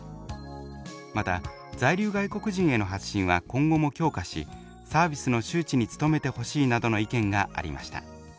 また「在留外国人への発信は今後も強化しサービスの周知に努めてほしい」などの意見がありました。